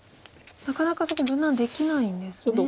なかなかそこ分断できないんですね。